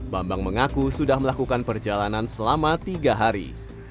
bambang mengaku sudah melakukan perjalanan selama tiga hari